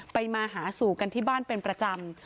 มาหาสู่กันที่บ้านเป็นประจำ